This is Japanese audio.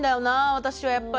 私はやっぱり。